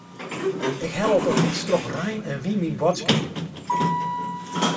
Ik helle op 'e fyts troch rein en wyn myn boadskippen.